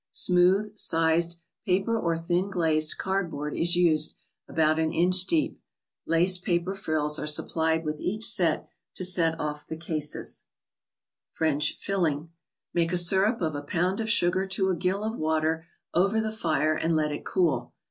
Smooth, sized, paper or thin glazed card board is used, about an inch deep. Lace paper frills are supplied with each to set off the cases. Make a syrup of a pound of sugar to a gill of water over the fire, and let it cool.